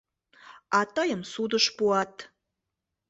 А тыйым судыш пуат.